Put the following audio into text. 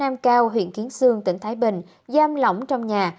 thôn cao bạc lụ xã nam cao huyện kiến dương tỉnh thái bình giam lỏng trong nhà